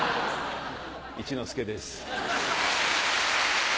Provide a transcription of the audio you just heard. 一之輔です。